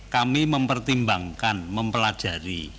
kami mempertimbangkan mempelajari